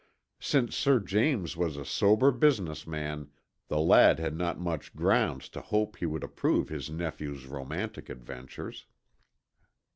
Since Sir James was a sober business man, the lad had not much grounds to hope he would approve his nephew's romantic adventures.